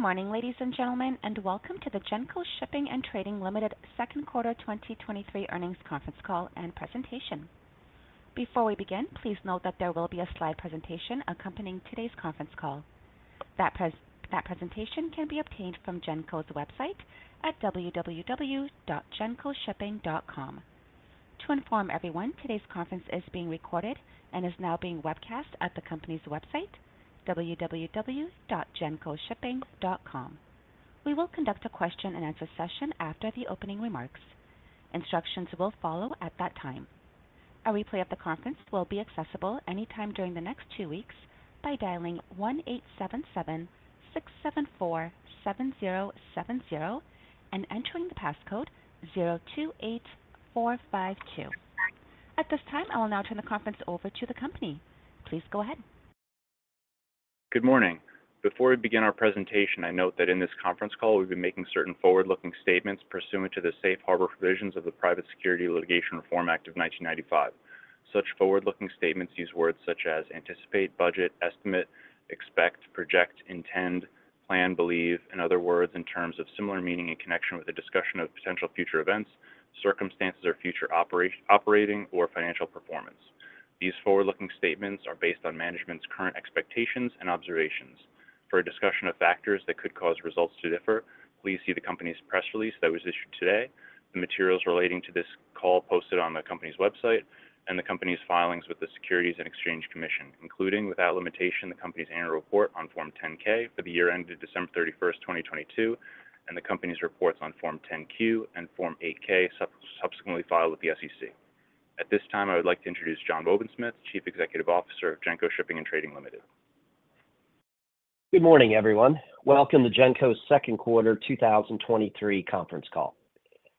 Good morning, ladies and gentlemen, and welcome to the Genco Shipping & Trading Limited Second Quarter 2023 Earnings Conference Call and Presentation. Before we begin, please note that there will be a slide presentation accompanying today's conference call. That presentation can be obtained from Genco's website at www.gencoshipping.com. To inform everyone, today's conference is being recorded and is now being webcast at the company's website, www.gencoshipping.com. We will conduct a question-and-answer session after the opening remarks. Instructions will follow at that time. A replay of the conference will be accessible anytime during the next two weeks by dialing 1-877 674-7070 and entering the passcode 028452. At this time, I will now turn the conference over to the company. Please go ahead. Good morning. Before we begin our presentation, I note that in this conference call, we've been making certain forward-looking statements pursuant to the Safe Harbor provisions of the Private Securities Litigation Reform Act of 1995. Such forward-looking statements use words such as: anticipate, budget, estimate, expect, project, intend, plan, believe, and other words in terms of similar meaning in connection with the discussion of potential future events, circumstances, or future operating or financial performance. These forward-looking statements are based on management's current expectations and observations. For a discussion of factors that could cause results to differ, please see the company's press release that was issued today, the materials relating to this call posted on the company's website, and the company's filings with the Securities and Exchange Commission, including, without limitation, the company's Annual Report on Form 10-K for the year ended December 31st, 2022, and the company's reports on Form 10-Q and Form 8-K, subsequently filed with the SEC. At this time, I would like to introduce John Wobensmith, Chief Executive Officer of Genco Shipping & Trading Limited. Good morning, everyone. Welcome to Genco's second quarter 2023 conference call.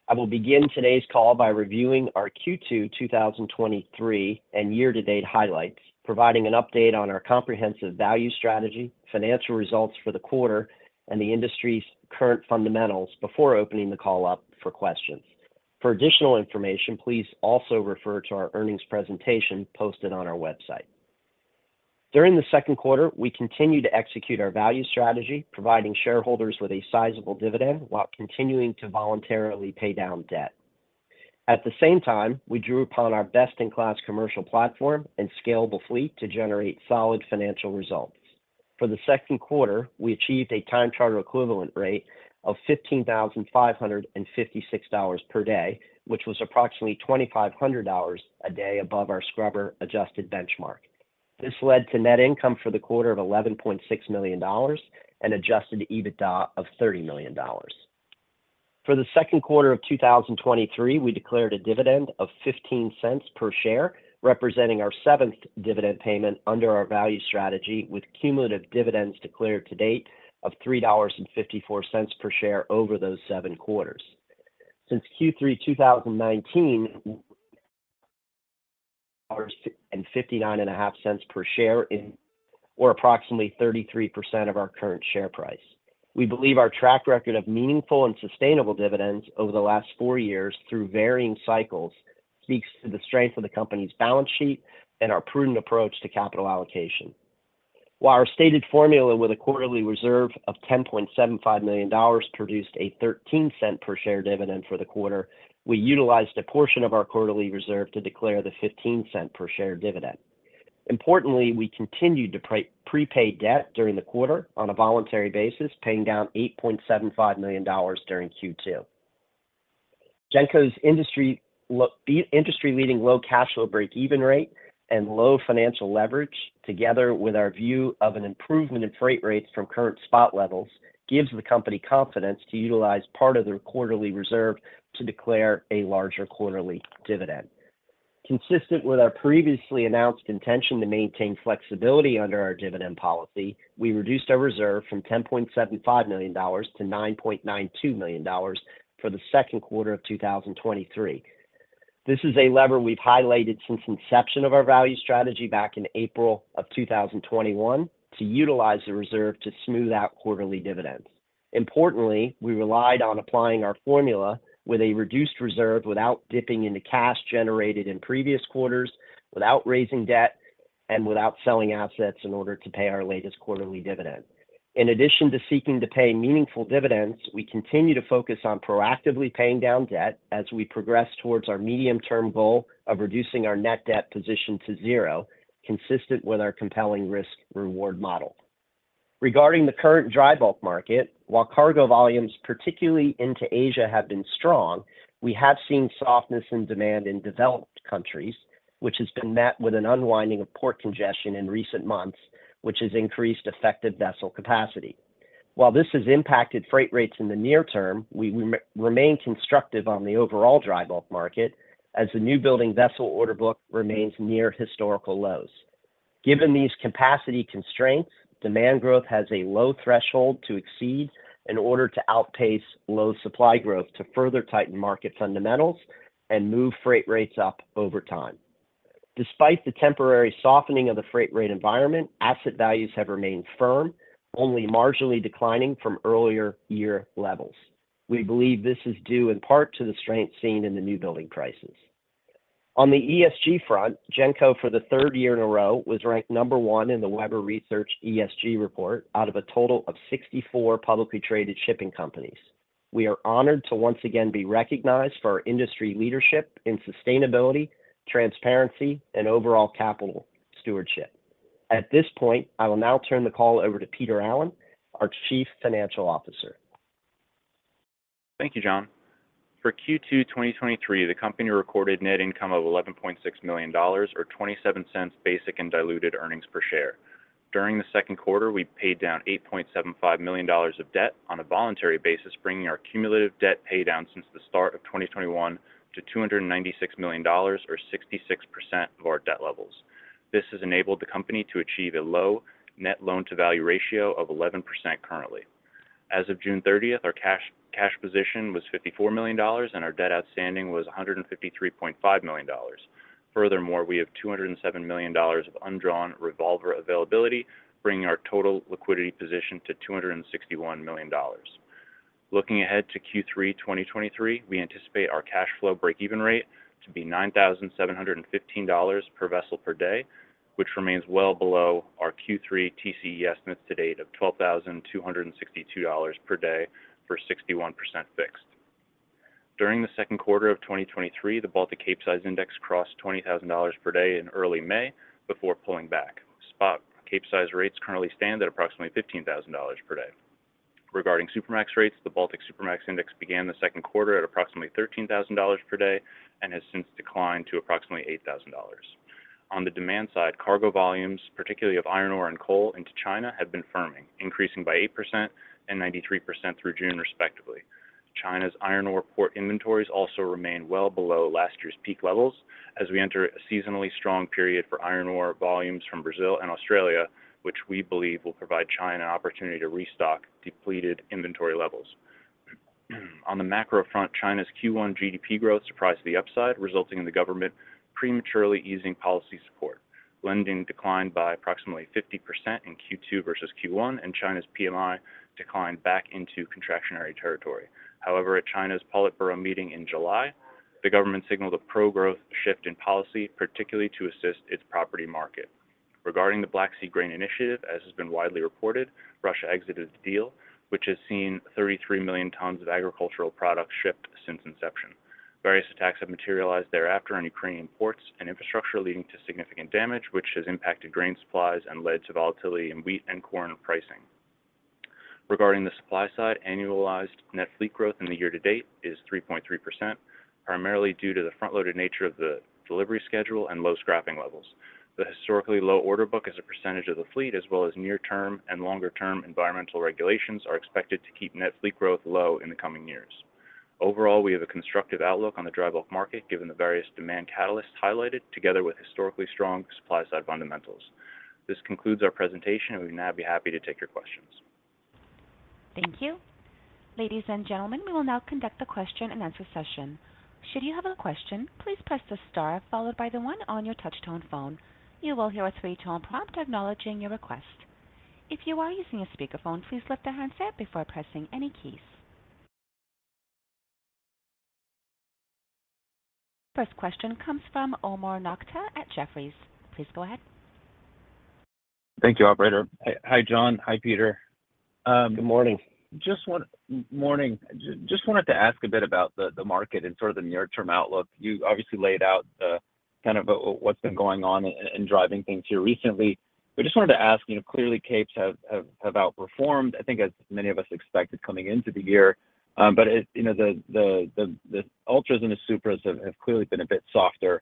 I will begin today's call by reviewing our Q2 2023 and year-to-date highlights, providing an update on our comprehensive value strategy, financial results for the quarter, and the industry's current fundamentals before opening the call up for questions. For additional information, please also refer to our earnings presentation posted on our website. During the second quarter, we continued to execute our value strategy, providing shareholders with a sizable dividend while continuing to voluntarily pay down debt. At the same time, we drew upon our best-in-class commercial platform and scalable fleet to generate solid financial results. For the second quarter, we achieved a time charter equivalent rate of $15,556 per day, which was approximately $2,500 a day above our scrubber-adjusted benchmark. This led to net income for the quarter of $11.6 million and adjusted EBITDA of $30 million. For the second quarter of 2023, we declared a dividend of $0.15 per share, representing our seventh dividend payment under our value strategy, with cumulative dividends declared to date of $3.54 per share over those seven quarters. Since Q3 2019, $0.595 per share or approximately 33% of our current share price. We believe our track record of meaningful and sustainable dividends over the last four years through varying cycles speaks to the strength of the company's balance sheet and our prudent approach to capital allocation. While our stated formula, with a quarterly reserve of $10.75 million, produced a $0.13 per share dividend for the quarter, we utilized a portion of our quarterly reserve to declare the $0.15 per share dividend. Importantly, we continued to prepay debt during the quarter on a voluntary basis, paying down $8.75 million during Q2. Genco's industry-leading low cash flow breakeven rate and low financial leverage, together with our view of an improvement in freight rates from current spot levels, gives the company confidence to utilize part of the quarterly reserve to declare a larger quarterly dividend. Consistent with our previously announced intention to maintain flexibility under our dividend policy, we reduced our reserve from $10.75 million-$9.92 million for the second quarter of 2023. This is a lever we've highlighted since inception of our value strategy back in April of 2021, to utilize the reserve to smooth out quarterly dividends. Importantly, we relied on applying our formula with a reduced reserve without dipping into cash generated in previous quarters, without raising debt, and without selling assets in order to pay our latest quarterly dividend. In addition to seeking to pay meaningful dividends, we continue to focus on proactively paying down debt as we progress towards our medium-term goal of reducing our net debt position to zero, consistent with our compelling risk-reward model. Regarding the current dry bulk market, while cargo volumes, particularly into Asia, have been strong, we have seen softness in demand in developed countries, which has been met with an unwinding of port congestion in recent months, which has increased effective vessel capacity. While this has impacted freight rates in the near term, we remain constructive on the overall dry bulk market as the new building vessel order book remains near historical lows. Given these capacity constraints, demand growth has a low threshold to exceed in order to outpace low supply growth to further tighten market fundamentals and move freight rates up over time. Despite the temporary softening of the freight rate environment, asset values have remained firm, only marginally declining from earlier year levels. We believe this is due in part to the strength seen in the new building prices. On the ESG front, Genco, for the third year in a row, was ranked number one in the Webber Research ESG report out of a total of 64 publicly traded shipping companies. We are honored to once again be recognized for our industry leadership in sustainability, transparency, and overall capital stewardship. At this point, I will now turn the call over to Peter Allen, our Chief Financial Officer. Thank you, John. For Q2 2023, the company recorded net income of $11.6 million or $0.27 basic and diluted earnings per share. During the second quarter, we paid down $8.75 million of debt on a voluntary basis, bringing our cumulative debt paydown since the start of 2021 to $296 million, or 66% of our debt levels. This has enabled the company to achieve a low net loan-to-value ratio of 11% currently. As of June 30th, our cash, cash position was $54 million, and our debt outstanding was $153.5 million. Furthermore, we have $207 million of undrawn revolver availability, bringing our total liquidity position to $261 million. Looking ahead to Q3 2023, we anticipate our cash flow breakeven rate to be $9,715 per vessel per day, which remains well below our Q3 TCE estimates to date of $12,262 per day for 61% fixed. During the second quarter of 2023, the Baltic Capesize Index crossed $20,000 per day in early May before pulling back. Spot Capesize rates currently stand at approximately $15,000 per day. Regarding Supramax rates, the Baltic Supramax Index began the second quarter at approximately $13,000 per day and has since declined to approximately $8,000. On the demand side, cargo volumes, particularly of iron ore and coal into China, have been firming, increasing by 8% and 93% through June, respectively. China's iron ore port inventories also remain well below last year's peak levels as we enter a seasonally strong period for iron ore volumes from Brazil and Australia, which we believe will provide China an opportunity to restock depleted inventory levels. On the macro front, China's Q1 GDP growth surprised the upside, resulting in the government prematurely easing policy support. Lending declined by approximately 50% in Q2 versus Q1, and China's PMI declined back into contractionary territory. At China's Politburo meeting in July, the government signaled a pro-growth shift in policy, particularly to assist its property market. Regarding the Black Sea Grain Initiative, as has been widely reported, Russia exited the deal, which has seen 33 million tons of agricultural products shipped since inception. Various attacks have materialized thereafter on Ukrainian ports and infrastructure, leading to significant damage, which has impacted grain supplies and led to volatility in wheat and corn pricing. Regarding the supply side, annualized net fleet growth in the year to date is 3.3%, primarily due to the front-loaded nature of the delivery schedule and low scrapping levels. The historically low order book as a percentage of the fleet, as well as near-term and longer-term environmental regulations, are expected to keep net fleet growth low in the coming years. Overall, we have a constructive outlook on the dry bulk market, given the various demand catalysts highlighted together with historically strong supply-side fundamentals. This concludes our presentation, and we'd now be happy to take your questions. Thank you. Ladies and gentlemen, we will now conduct the question-and-answer session. Should you have a question, please press the star followed by the 1 on your touchtone phone. You will hear a 3-tone prompt acknowledging your request. If you are using a speakerphone, please lift the handset before pressing any keys. First question comes from Omar Nokta at Jefferies. Please go ahead. Thank you, operator. Hi, John. Hi, Peter. Good morning. Just wanted to ask a bit about the, the market and sort of the near-term outlook. You obviously laid out the, kind of, what's been going on and driving things here recently. Just wanted to ask, you know, clearly Capes have, have, have outperformed, I think as many of us expected coming into the year. As you know, the, the, the, the Ultras and the Supras have, have clearly been a bit softer.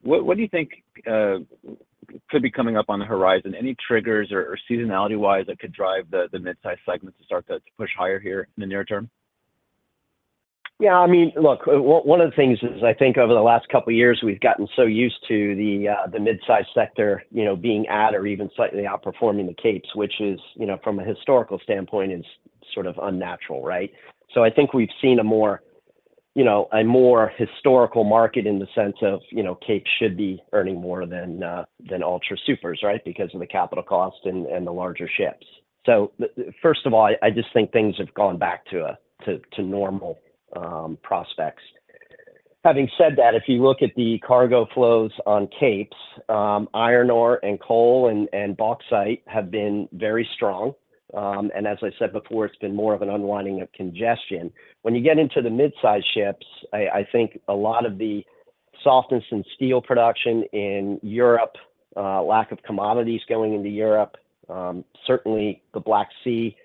What, what do you think could be coming up on the horizon? Any triggers or, or seasonality-wise, that could drive the, the mid-size segment to start to push higher here in the near term? Yeah, I mean, look, one of the things is, I think over the last couple of years, we've gotten so used to the mid-size sector, you know, being at or even slightly outperforming the Capes, which is, you know, from a historical standpoint, is sort of unnatural, right? I think we've seen a more, you know, a more historical market in the sense of, you know, Capes should be earning more than Ultra Supers, right? Because of the capital costs and the larger ships. First of all, I just think things have gone back to normal prospects. Having said that, if you look at the cargo flows on Capes, iron ore and coal and bauxite have been very strong. As I said before, it's been more of an unwinding of congestion. When you get into the mid-size ships, I think a lot of the softness in steel production in Europe, lack of commodities going into Europe, certainly the Black Sea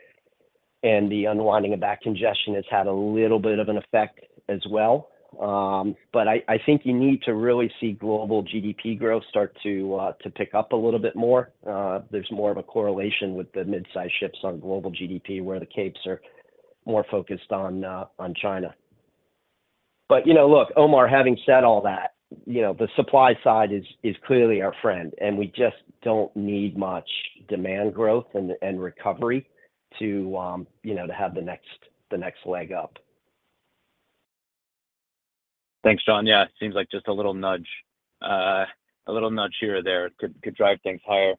and the unwinding of that congestion has had a little bit of an effect as well. I think you need to really see global GDP growth start to pick up a little bit more. There's more of a correlation with the mid-size ships on global GDP, where the Capes are more focused on China. You know, look, Omar, having said all that, you know, the supply side is, is clearly our friend, and we just don't need much demand growth and, and recovery to, you know, to have the next, the next leg up. Thanks, John. Yeah, it seems like just a little nudge, a little nudge here or there could, could drive things higher.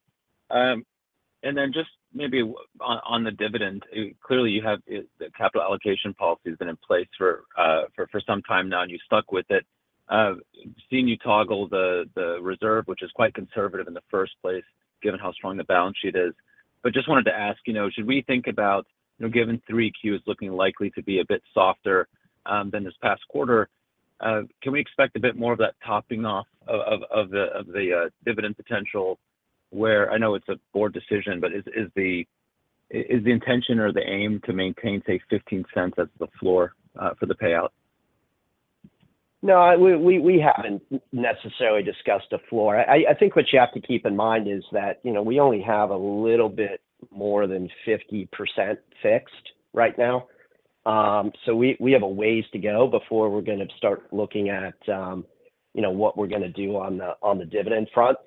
Then just maybe on, on the dividend, clearly, you have, the capital allocation policy has been in place for, for some time now, and you stuck with it. I've seen you toggle the, the reserve, which is quite conservative in the first place, given how strong the balance sheet is. Just wanted to ask, you know, should we think about, you know, given 3Q is looking likely to be a bit softer than this past quarter, can we expect a bit more of that topping off of the dividend potential? Where I know it's a board decision, but is the intention or the aim to maintain, say, $0.15 as the floor for the payout? No, we haven't necessarily discussed a floor. I think what you have to keep in mind is that, you know, we only have a little bit more than 50% fixed right now. We have a ways to go before we're gonna start looking at, you know, what we're gonna do on the dividend front.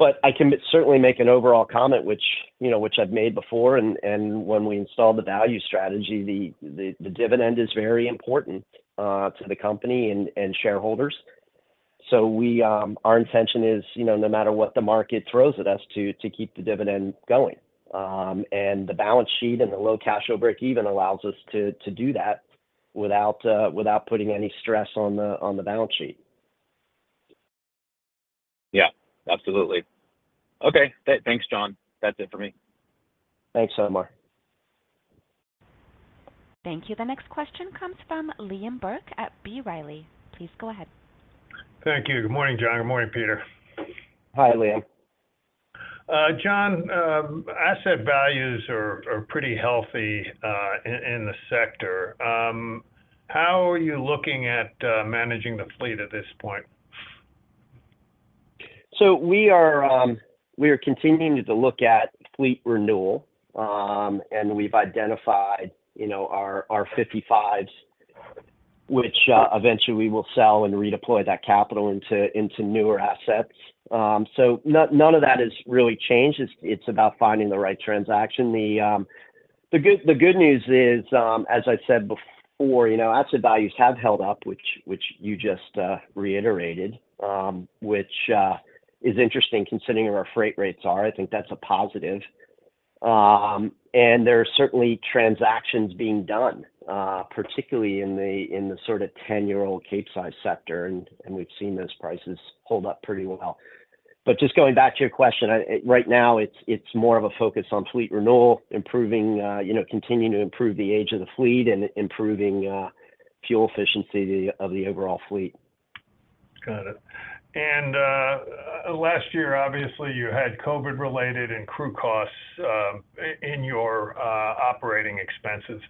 I can certainly make an overall comment, which, you know, which I've made before. When we install the value strategy, the dividend is very important to the company and shareholders. Our intention is, you know, no matter what the market throws at us, to keep the dividend going. The balance sheet and the low cash flow breakeven allows us to, to do that without, without putting any stress on the, on the balance sheet. Yeah, absolutely. Okay. Thanks, John. That's it for me. Thanks, Omar. Thank you. The next question comes from Liam Burke at B. Riley. Please go ahead. Thank you. Good morning, John. Good morning, Peter. Hi, Liam. John, asset values are, are pretty healthy in, in the sector. How are you looking at managing the fleet at this point? We are, we are continuing to look at fleet renewal, and we've identified, you know, our, our fifty-fives, which eventually we will sell and redeploy that capital into, into newer assets. None of that has really changed. It's, it's about finding the right transaction. The good, the good news is, as I said before, you know, asset values have held up, which, which you just reiterated, which is interesting considering where our freight rates are. I think that's a positive. There are certainly transactions being done, particularly in the, in the sort of 10-year-old Capesize sector, and, and we've seen those prices hold up pretty well. Just going back to your question, right now, it's, it's more of a focus on fleet renewal, improving, you know, continuing to improve the age of the fleet and improving, fuel efficiency of the overall fleet. Got it. Last year, obviously, you had COVID-related and crew costs, in your operating expenses.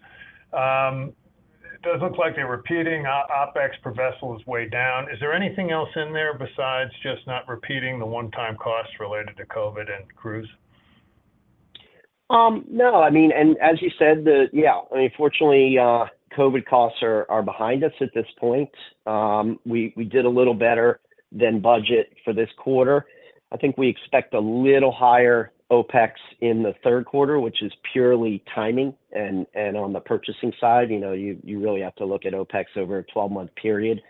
Does it look like they're repeating? OpEx per vessel is way down. Is there anything else in there besides just not repeating the one-time costs related to COVID and crews? No, as you said, fortunately, COVID costs are behind us at this point. We did a little better than budget for this quarter. I think we expect a little higher OpEx in the 3rd quarter, which is purely timing. On the purchasing side, you really have to look at OpEx over a 12-month period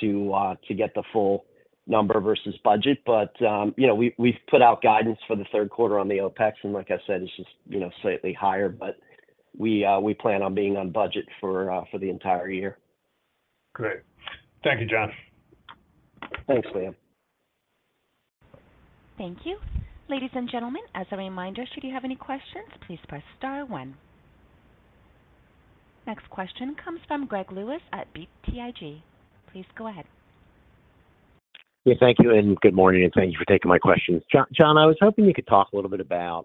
to get the full number versus budget. We've put out guidance for the 3rd quarter on the OpEx, and it's just slightly higher, but we plan on being on budget for the entire year. Great. Thank you, John. Thanks, Liam. Thank you. Ladies and gentlemen, as a reminder, should you have any questions, please press star 1. Next question comes from Greg Lewis at BTIG. Please go ahead. Yeah, thank you, and good morning, and thank you for taking my questions. John, I was hoping you could talk a little bit about,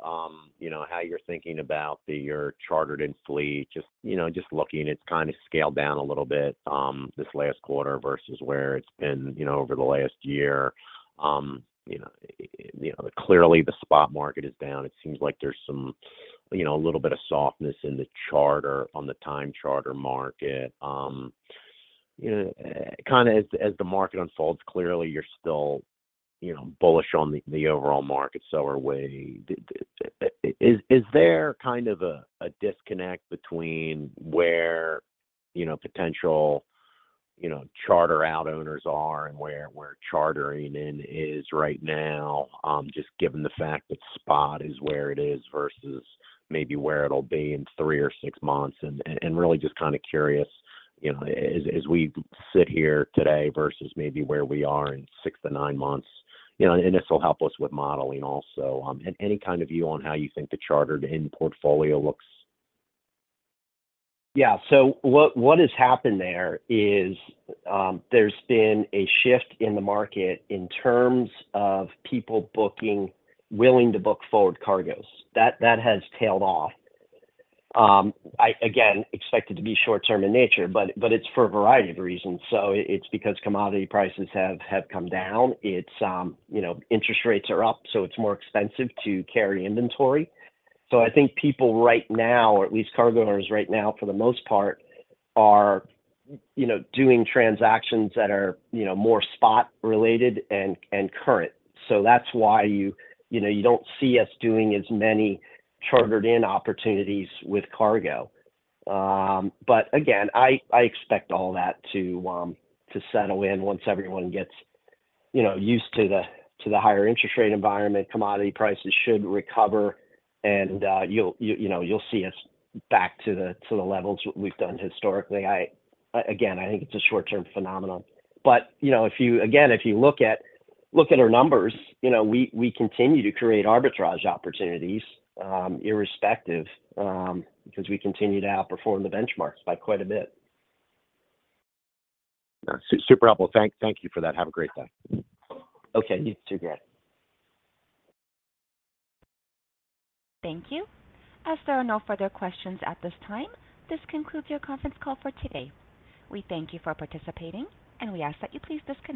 you know, how you're thinking about the, your chartered in fleet. Just, you know, just looking, it's kind of scaled down a little bit, this last quarter versus where it's been, you know, over the last year. You know, you know, clearly, the spot market is down. It seems like there's some, you know, a little bit of softness in the charter on the time charter market. You know, kind of as, as the market unfolds, clearly, you're still, you know, bullish on the, the overall market, so are we. Is there kind of a, a disconnect between where, you know, potential, you know, charter out owners are and where we're chartering in is right now, just given the fact that spot is where it is versus maybe where it'll be in three or six months? Really just kind of curious, you know, as, as we sit here today versus maybe where we are in six to nine months, you know, and this will help us with modeling also. Any kind of view on how you think the chartered in portfolio looks? Yeah. What, what has happened there is, there's been a shift in the market in terms of people willing to book forward cargoes. That, that has tailed off. I, again, expect it to be short term in nature, but it's for a variety of reasons. It's because commodity prices have, have come down. It's, you know, interest rates are up, so it's more expensive to carry inventory. I think people right now, or at least cargo owners right now, for the most part, are, you know, doing transactions that are, you know, more spot-related and, and current. That's why you, you know, you don't see us doing as many chartered in opportunities with cargo. Again, I, I expect all that to settle in once everyone gets, you know, used to the, to the higher interest rate environment. Commodity prices should recover, and you know, you'll see us back to the levels we've done historically. Again, I think it's a short-term phenomenon, but, you know, if you, again, if you look at, look at our numbers, you know, we, we continue to create arbitrage opportunities, irrespective, because we continue to outperform the benchmarks by quite a bit. Yeah, super helpful. Thank you for that. Have a great day. Okay, you too. Great. Thank you. As there are no further questions at this time, this concludes your conference call for today. We thank you for participating, and we ask that you please disconnect.